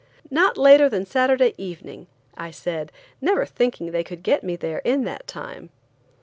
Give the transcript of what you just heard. "Not later than Saturday evening," I said, never thinking they could get me there in that time.